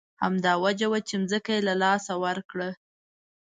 همدا وجه وه چې ځمکه یې له لاسه ورکړه.